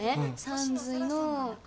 さんずいの。